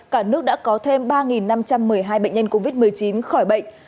cả nước đã có thêm ba năm trăm một mươi hai bệnh nhân covid một mươi chín khỏi bệnh